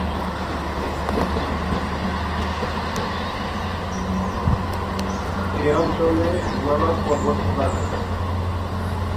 এ অঞ্চলে হিমালয় পর্বতমালা রয়েছে।